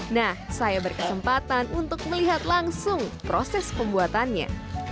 nah saya berkesempatan untuk melihat langsung proses pembuatannya